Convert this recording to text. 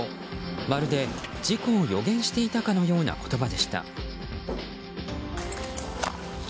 まるで事故を予言していたかのような言葉でした。